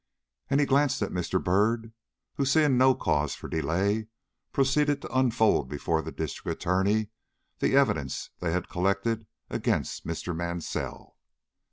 And he glanced at Mr. Byrd, who, seeing no cause for delay, proceeded to unfold before the District Attorney the evidence they had collected against Mr. Mansell.